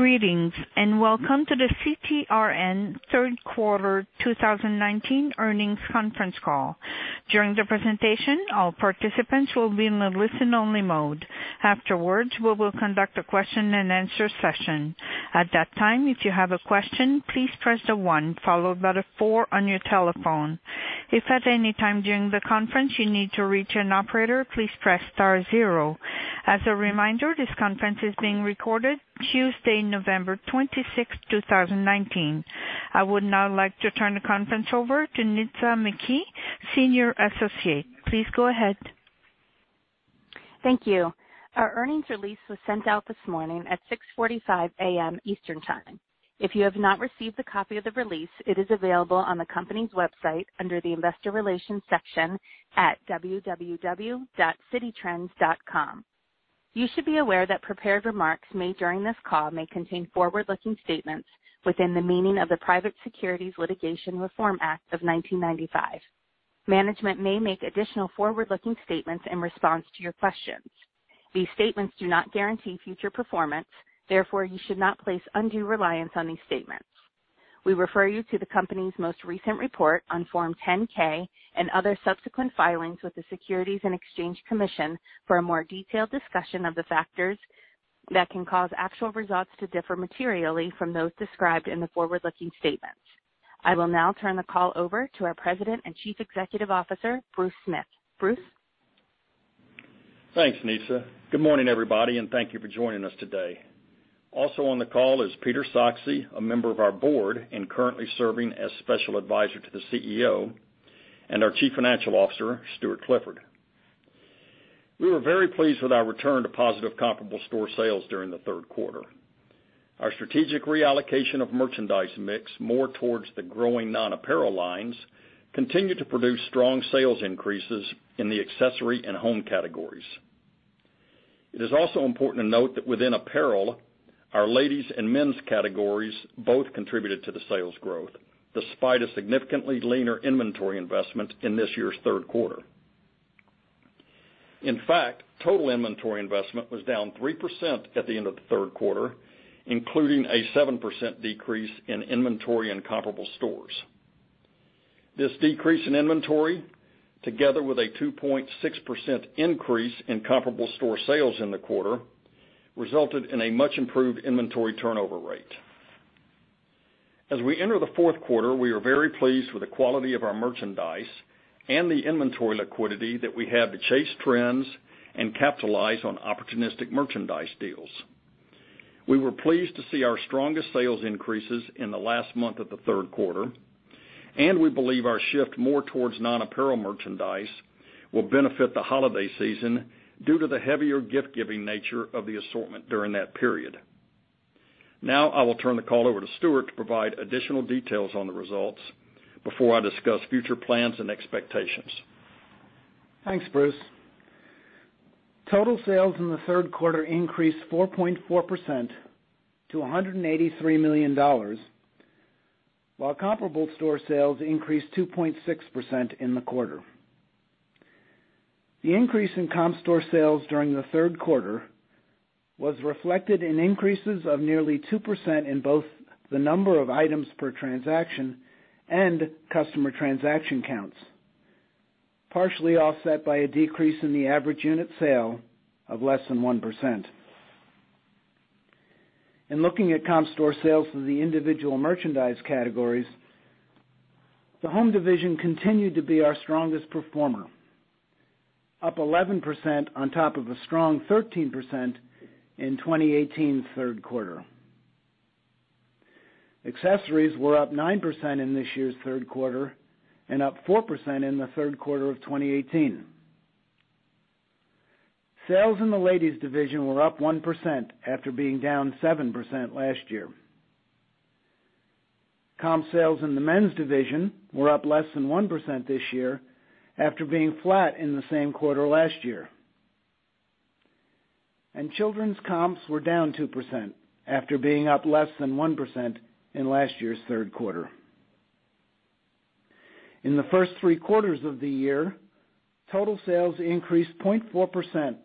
Greetings and welcome to the CTRN Q3 2019 earnings conference call. During the presentation, all participants will be in a listen-only mode. Afterwards, we will conduct a question-and-answer session. At that time, if you have a question, please press the one followed by the four on your telephone. If at any time during the conference you need to reach an operator, please press *0. As a reminder, this conference is being recorded Tuesday, November 26, 2019. I would now like to turn the conference over to Nitza McKee, Senior Associate. Please go ahead. Thank you. Our earnings release was sent out this morning at 6:45 A.M. Eastern Time. If you have not received a copy of the release, it is available on the company's website under the Investor Relations section at www.cititrends.com. You should be aware that prepared remarks made during this call may contain forward-looking statements within the meaning of the Private Securities Litigation Reform Act of 1995. Management may make additional forward-looking statements in response to your questions. These statements do not guarantee future performance. Therefore, you should not place undue reliance on these statements. We refer you to the company's most recent report on Form 10-K and other subsequent filings with the Securities and Exchange Commission for a more detailed discussion of the factors that can cause actual results to differ materially from those described in the forward-looking statements. I will now turn the call over to our President and Chief Executive Officer, Bruce Smith. Bruce? Thanks, Nitza. Good morning, everybody, and thank you for joining us today. Also on the call is Peter Sachse, a member of our Board and currently serving as Special Advisor to the CEO, and our Chief Financial Officer, Stuart Clifford. We were very pleased with our return to positive comparable store sales during the third quarter. Our strategic reallocation of merchandise mix, more towards the growing non-apparel lines, continued to produce strong sales increases in the Accessory and Home categories. It is also important to note that within apparel, our Ladies and Men's categories both contributed to the sales growth, despite a significantly leaner inventory investment in this year's third quarter. In fact, total inventory investment was down 3% at the end of the third quarter, including a 7% decrease in inventory in comparable stores. This decrease in inventory, together with a 2.6% increase in comparable store sales in the quarter, resulted in a much-improved inventory turnover rate. As we enter the fourth quarter, we are very pleased with the quality of our merchandise and the inventory liquidity that we have to chase trends and capitalize on opportunistic merchandise deals. We were pleased to see our strongest sales increases in the last month of the third quarter, and we believe our shift more towards non-apparel merchandise will benefit the holiday season due to the heavier gift-giving nature of the assortment during that period. Now, I will turn the call over to Stuart to provide additional details on the results before I discuss future plans and expectations. Thanks, Bruce. Total sales in the third quarter increased 4.4% to $183 million, while comparable store sales increased 2.6% in the quarter. The increase in comparable store sales during the third quarter was reflected in increases of nearly 2% in both the number of items per transaction and customer transaction counts, partially offset by a decrease in the average unit sale of less than 1%. In looking at comparable store sales of the individual merchandise categories, the Home division continued to be our strongest performer, up 11% on top of a strong 13% in 2018's third quarter. Accessories were up 9% in this year's third quarter and up 4% in the third quarter of 2018. Sales in the Ladies division were up 1% after being down 7% last year. Comparable sales in the Men's division were up less than 1% this year after being flat in the same quarter last year. Children's comps were down 2% after being up less than 1% in last year's third quarter. In the first three quarters of the year, total sales increased 0.4%,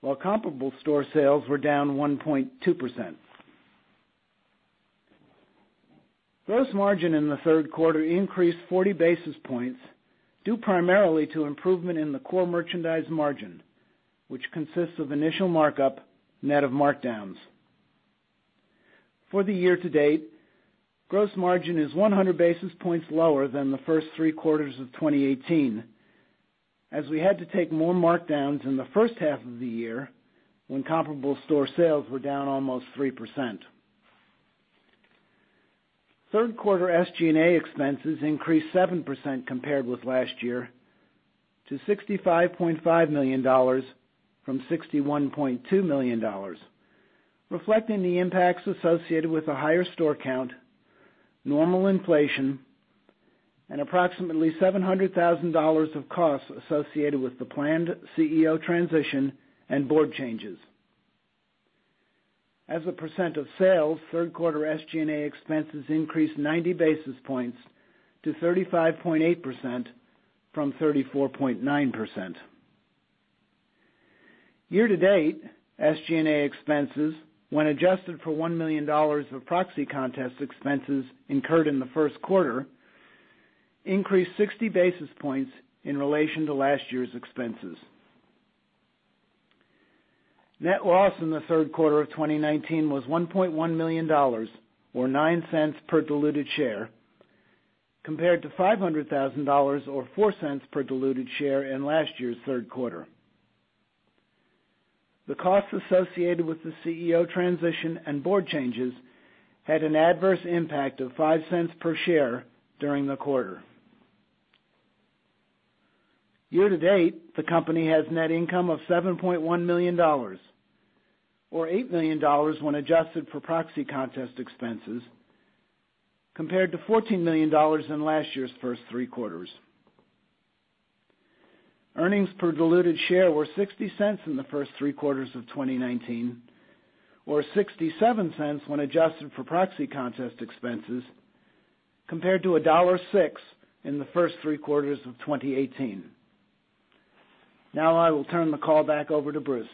while comparable store sales were down 1.2%. Gross margin in the third quarter increased 40 basis points due primarily to improvement in the core merchandise margin, which consists of initial markup, net of markdowns. For the year to date, gross margin is 100 basis points lower than the first three quarters of 2018, as we had to take more markdowns in the first half of the year when comparable store sales were down almost 3%. Third quarter SG&A expenses increased 7% compared with last year to $65.5 million from $61.2 million, reflecting the impacts associated with a higher store count, normal inflation, and approximately $700,000 of costs associated with the planned CEO transition and Board changes. As a percent of sales, third quarter SG&A expenses increased 90 basis points to 35.8% from 34.9%. Year to date, SG&A expenses, when adjusted for $1 million of proxy contest expenses incurred in the first quarter, increased 60 basis points in relation to last year's expenses. Net loss in the third quarter of 2019 was $1.1 million, or $0.09 per diluted share, compared to $500,000 or $0.04 per diluted share in last year's third quarter. The costs associated with the CEO transition and Board changes had an adverse impact of $0.05 per share during the quarter. Year to date, the company has net income of $7.1 million, or $8 million when adjusted for proxy contest expenses, compared to $14 million in last year's first three quarters. Earnings per diluted share were $0.60 in the first three quarters of 2019, or $0.67 when adjusted for proxy contest expenses, compared to $1.06 in the first three quarters of 2018. Now, I will turn the call back over to Bruce.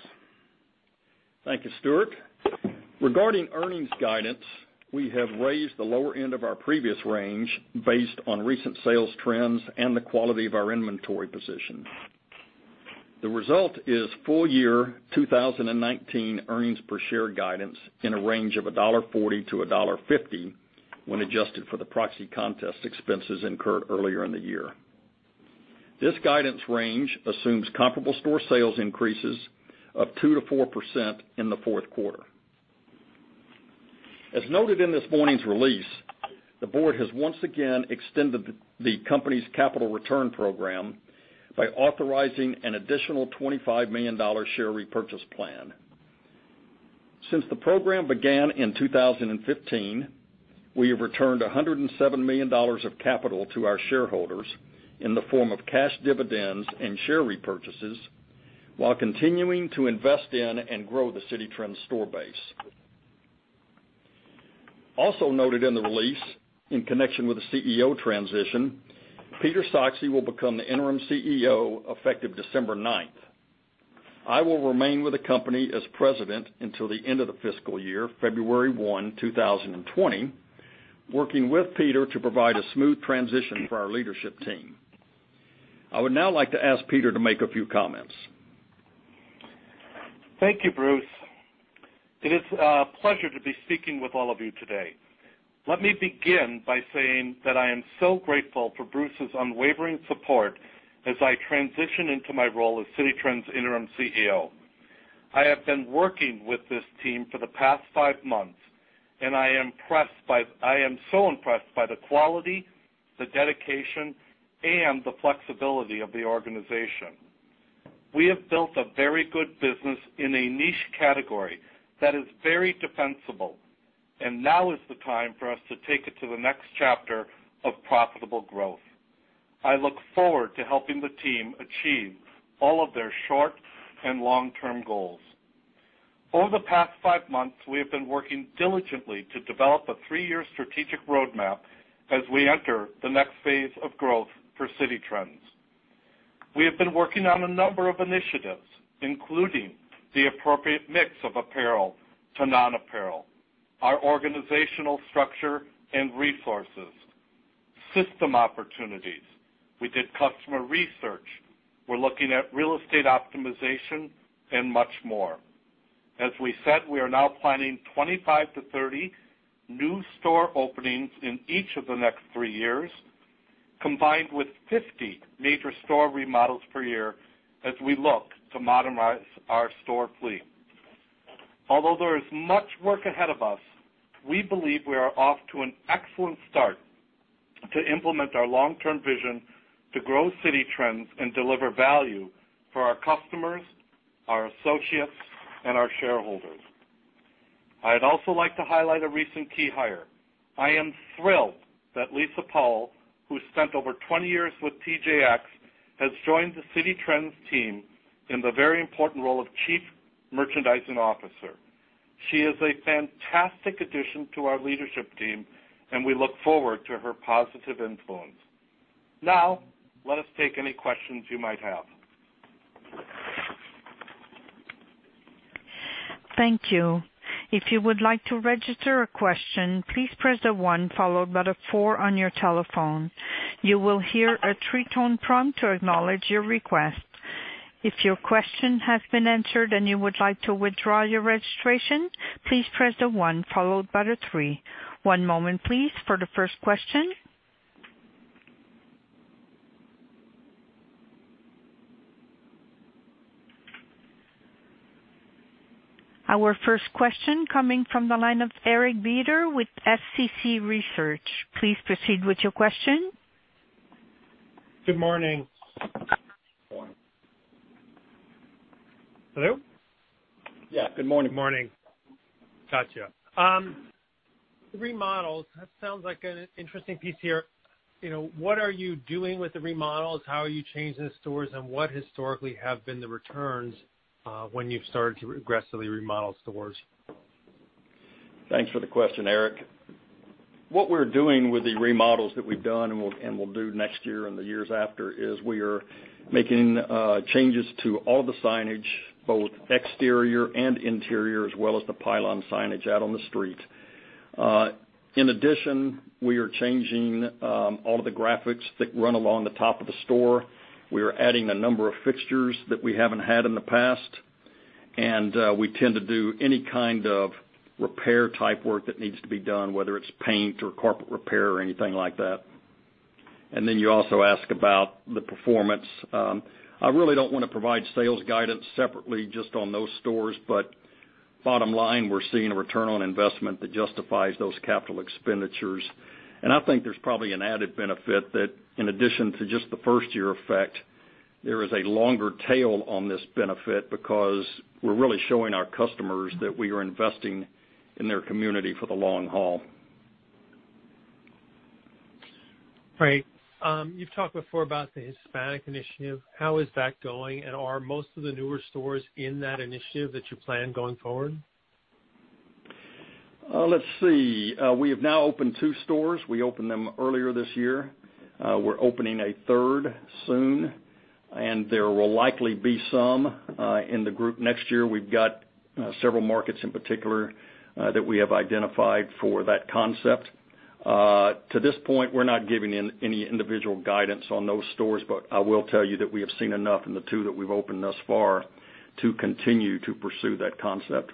Thank you, Stuart. Regarding earnings guidance, we have raised the lower end of our previous range based on recent sales trends and the quality of our inventory position. The result is full-year 2019 earnings per share guidance in a range of $1.40-$1.50 when adjusted for the proxy contest expenses incurred earlier in the year. This guidance range assumes comparable store sales increases of 2%-4% in the fourth quarter. As noted in this morning's release, the Board has once again extended the company's capital return program by authorizing an additional $25 million share repurchase plan. Since the program began in 2015, we have returned $107 million of capital to our shareholders in the form of cash dividends and share repurchases, while continuing to invest in and grow the Citi Trends store base. Also noted in the release, in connection with the CEO transition, Peter Sachse will become the interim CEO effective December 9th. I will remain with the company as President until the end of the fiscal year, February 1, 2020, working with Peter to provide a smooth transition for our leadership team. I would now like to ask Peter to make a few comments. Thank you, Bruce. It is a pleasure to be speaking with all of you today. Let me begin by saying that I am so grateful for Bruce's unwavering support as I transition into my role as Citi Trends interim CEO. I have been working with this team for the past five months, and I am so impressed by the quality, the dedication, and the flexibility of the organization. We have built a very good business in a niche category that is very defensible, and now is the time for us to take it to the next chapter of profitable growth. I look forward to helping the team achieve all of their short and long-term goals. Over the past five months, we have been working diligently to develop a three-year strategic roadmap as we enter the next phase of growth for Citi Trends. We have been working on a number of initiatives, including the appropriate mix of apparel to non-apparel, our organizational structure and resources, system opportunities. We did customer research. We're looking at real estate optimization and much more. As we said, we are now planning 25-30 new store openings in each of the next three years, combined with 50 major store remodels per year as we look to modernize our store fleet. Although there is much work ahead of us, we believe we are off to an excellent start to implement our long-term vision to grow Citi Trends and deliver value for our customers, our associates, and our shareholders. I'd also like to highlight a recent key hire. I am thrilled that Lisa Powell, who spent over 20 years with TJX, has joined the Citi Trends team in the very important role of Chief Merchandising Officer. She is a fantastic addition to our leadership team, and we look forward to her positive influence. Now, let us take any questions you might have. Thank you. If you would like to register a question, please press the one followed by the four on your telephone. You will hear a three-tone prompt to acknowledge your request. If your question has been answered and you would like to withdraw your registration, please press the one followed by the three. One moment, please, for the first question. Our first question coming from the line of Eric Beder with SCC Research. Please proceed with your question. Good morning. Hello? Yeah. Good morning. Good morning. Gotcha. Remodels, that sounds like an interesting piece here. What are you doing with the remodels? How are you changing the stores, and what historically have been the returns when you've started to aggressively remodel stores? Thanks for the question, Eric. What we're doing with the remodels that we've done and will do next year and the years after is we are making changes to all of the signage, both exterior and interior, as well as the pylon signage out on the street. In addition, we are changing all of the graphics that run along the top of the store. We are adding a number of fixtures that we haven't had in the past, and we tend to do any kind of repair-type work that needs to be done, whether it's paint or carpet repair or anything like that. You also ask about the performance. I really don't want to provide sales guidance separately just on those stores, but bottom line, we're seeing a return on investment that justifies those capital expenditures. I think there's probably an added benefit that, in addition to just the first-year effect, there is a longer tail on this benefit because we're really showing our customers that we are investing in their community for the long haul. All right. You've talked before about the Hispanic initiative. How is that going, and are most of the newer stores in that initiative that you plan going forward? Let's see. We have now opened two stores. We opened them earlier this year. We're opening a third soon, and there will likely be some in the group next year. We've got several markets in particular that we have identified for that concept. To this point, we're not giving any individual guidance on those stores, but I will tell you that we have seen enough in the two that we've opened thus far to continue to pursue that concept.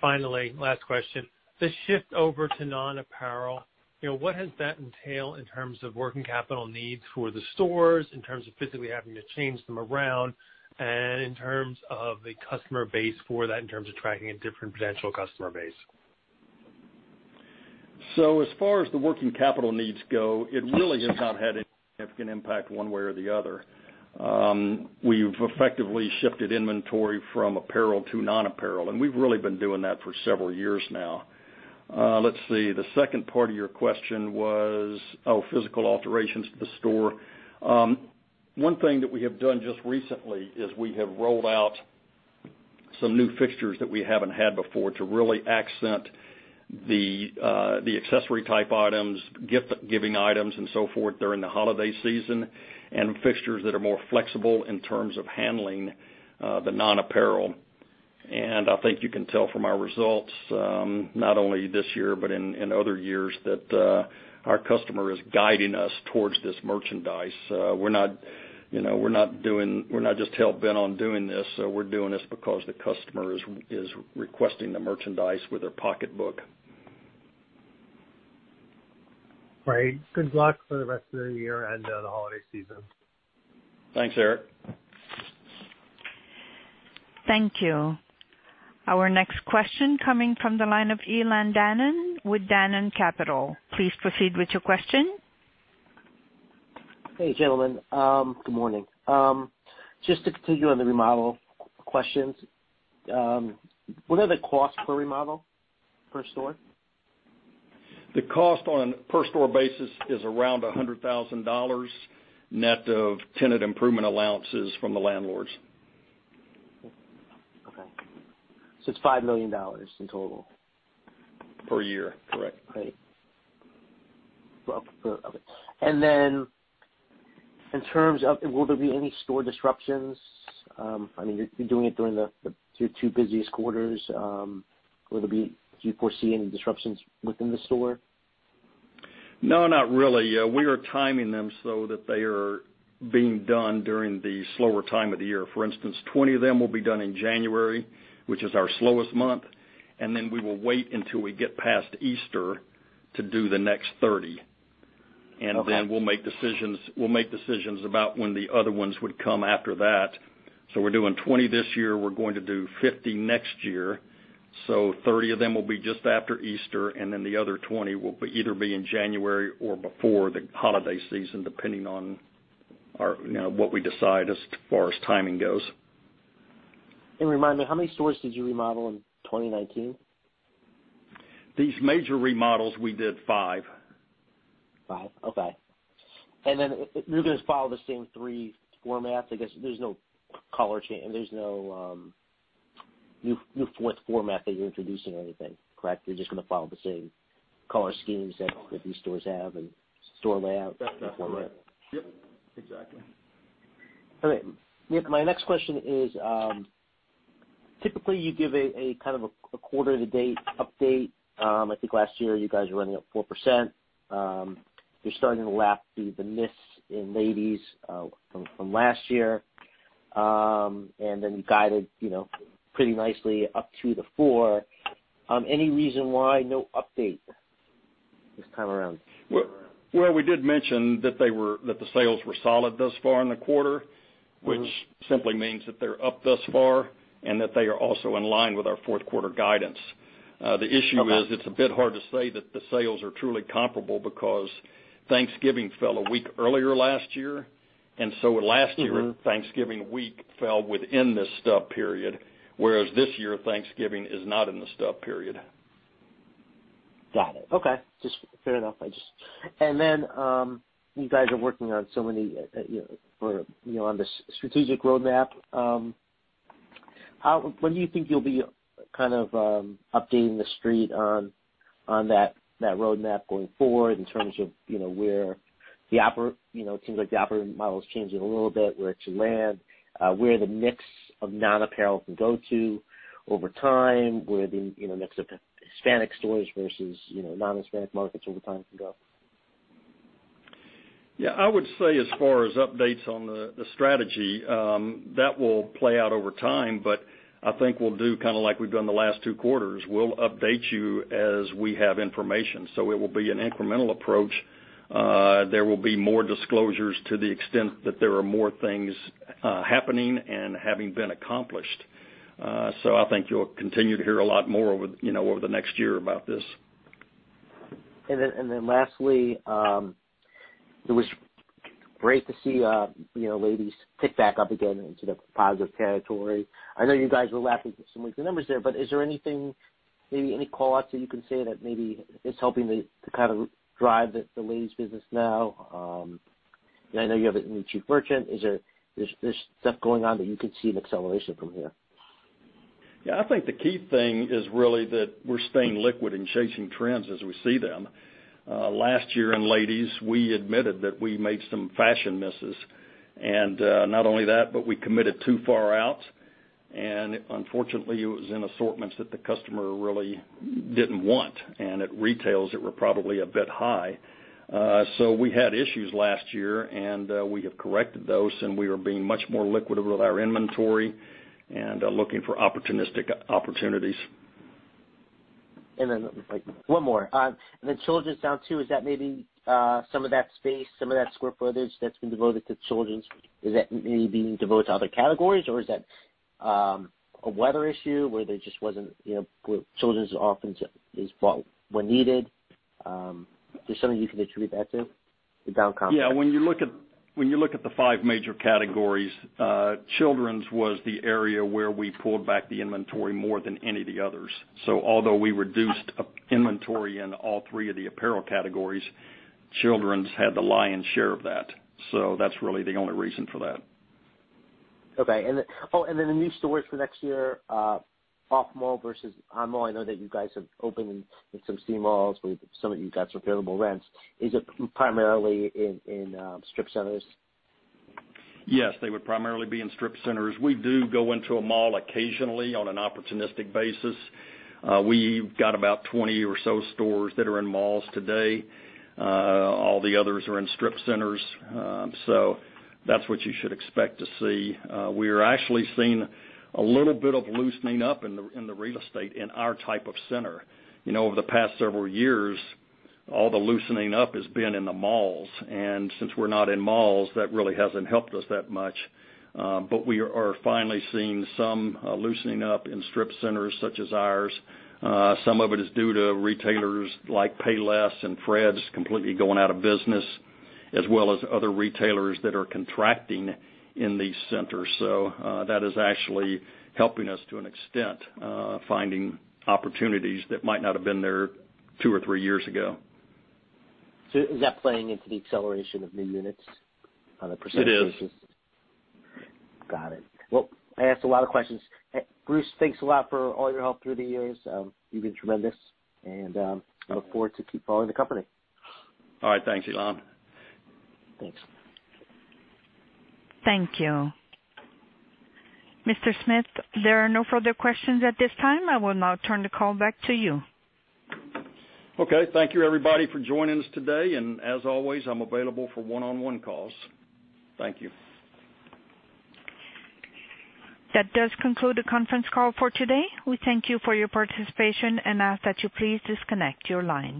Finally, last question. The shift over to non-apparel, what has that entailed in terms of working capital needs for the stores, in terms of physically having to change them around, and in terms of the customer base for that, in terms of tracking a different potential customer base? So as far as the working capital needs go, it really has not had any significant impact one way or the other. We've effectively shifted inventory from apparel to non-apparel, and we've really been doing that for several years now. Let's see. The second part of your question was, oh, physical alterations to the store. One thing that we have done just recently is we have rolled out some new fixtures that we haven't had before to really accent the accessory-type items, gift-giving items, and so forth during the holiday season, and fixtures that are more flexible in terms of handling the non-apparel. I think you can tell from our results, not only this year but in other years, that our customer is guiding us towards this merchandise. We're not just hell-bent on doing this. We're doing this because the customer is requesting the merchandise with their pocketbook. All right. Good luck for the rest of the year and the holiday season. Thanks, Eric. Thank you. Our next question coming from the line of Elan Danon with Danan Capital. Please proceed with your question. Hey, gentlemen. Good morning. Just to continue on the remodel questions, what are the costs for remodel per store? The cost on a per-store basis is around $100,000 net of tenant improvement allowances from the landlords. Okay. So it's $5 million in total? Per year. Correct. Great. Okay. In terms of, will there be any store disruptions? I mean, you're doing it during the two busiest quarters. Will there be—do you foresee any disruptions within the store? No, not really. We are timing them so that they are being done during the slower time of the year. For instance, 20 of them will be done in January, which is our slowest month, and we will wait until we get past Easter to do the next 30. We will make decisions about when the other ones would come after that. We are doing 20 this year. We are going to do 50 next year. Thirty of them will be just after Easter, and the other 20 will either be in January or before the holiday season, depending on what we decide as far as timing goes. Remind me, how many stores did you remodel in 2019? These major remodels, we did five. Five. Okay. Are you going to follow the same three formats? I guess there is no color change, there is no new format that you are introducing or anything, correct? You are just going to follow the same color schemes that these stores have and store layout and format? Yep. Yep. Exactly. Okay. My next question is, typically, you give a kind of a quarter-of-the-day update. I think last year you guys were running at 4%. You're starting to lap the Misses and Ladies from last year, and then you guided pretty nicely up to the four. Any reason why no update this time around? We did mention that the sales were solid thus far in the quarter, which simply means that they're up thus far and that they are also in line with our fourth-quarter guidance. The issue is it's a bit hard to say that the sales are truly comparable because Thanksgiving fell a week earlier last year, and so last year, Thanksgiving week fell within this stub period, whereas this year, Thanksgiving is not in the stub period. Got it. Okay. Just fair enough. You guys are working on so many on this strategic roadmap. When do you think you'll be kind of updating the street on that roadmap going forward in terms of where it seems like the operating model is changing a little bit, where it should land, where the mix of non-apparel can go to over time, where the mix of Hispanic stores versus non-Hispanic markets over time can go? Yeah. I would say as far as updates on the strategy, that will play out over time, but I think we'll do kind of like we've done the last two quarters. We'll update you as we have information. It will be an incremental approach. There will be more disclosures to the extent that there are more things happening and having been accomplished. I think you'll continue to hear a lot more over the next year about this. It was great to see Ladies tick back up again into the positive territory. I know you guys were laughing at some weekly numbers there, but is there anything, maybe any callouts that you can say that maybe is helping to kind of drive the Ladies business now? I know you have it in Chief Merchant. Is there stuff going on that you can see an acceleration from here? Yeah. I think the key thing is really that we're staying liquid and chasing trends as we see them. Last year in Ladies, we admitted that we made some fashion misses. Not only that, but we committed too far out. Unfortunately, it was in assortments that the customer really did not want, and at retails, it were probably a bit high. We had issues last year, and we have corrected those, and we are being much more liquid with our inventory and looking for opportunistic opportunities. One more. The Children's now too. Is that maybe some of that space, some of that square footage that's been devoted to Children's, is that maybe being devoted to other categories, or is that a weather issue where there just wasn't where Children's often is bought when needed? Is there something you can attribute that to? The down comp? Yeah. When you look at the five major categories, Children's was the area where we pulled back the inventory more than any of the others. Although we reduced inventory in all three of the apparel categories, Children's had the lion's share of that. That's really the only reason for that. Okay. Oh, and then the new stores for next year, off-mall versus on-mall, I know that you guys have opened in some C-malls with some of you guys' available rents. Is it primarily in strip centers? Yes. They would primarily be in strip centers. We do go into a mall occasionally on an opportunistic basis. We've got about 20 or so stores that are in malls today. All the others are in strip centers. That is what you should expect to see. We are actually seeing a little bit of loosening up in the real estate in our type of center. Over the past several years, all the loosening up has been in the malls. Since we're not in malls, that really hasn't helped us that much. We are finally seeing some loosening up in strip centers such as ours. Some of it is due to retailers like Payless and Fred's completely going out of business, as well as other retailers that are contracting in these centers. That is actually helping us to an extent, finding opportunities that might not have been there two or three years ago. Is that playing into the acceleration of new units on the percentage basis? It is. Got it. I asked a lot of questions. Bruce, thanks a lot for all your help through the years. You've been tremendous, and I look forward to keep following the company. All right. Thanks, Ilan. Thanks. Thank you. Mr. Smith, there are no further questions at this time. I will now turn the call back to you. Thank you, everybody, for joining us today. As always, I'm available for one-on-one calls. Thank you. That does conclude the conference call for today. We thank you for your participation and ask that you please disconnect your line.